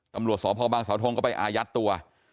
ตำรวจสพบางสาวทงก็ไปอายัดตัว